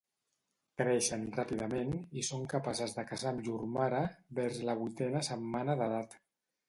Creixen ràpidament i són capaces de caçar amb llur mare vers la vuitena setmana d'edat.